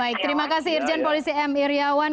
baik terima kasih irjen polisi m iryawan